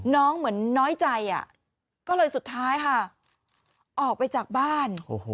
เหมือนน้อยใจก็เลยสุดท้ายค่ะออกไปจากบ้าน